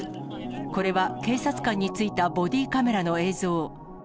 これは警察官についたボディーカメラの映像。